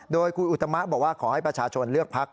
โดยคุณอุตมะบอกว่าขอให้ประชาชนเลือกพัก